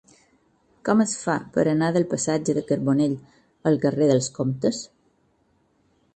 Com es fa per anar del passatge de Carbonell al carrer dels Comtes?